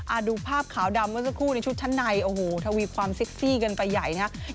ดูภาพขาวดำเมื่อสักครู่ในชุดชั้นในโอ้โหทวีความเซ็กซี่กันไปใหญ่นะครับ